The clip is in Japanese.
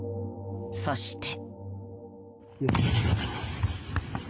そして。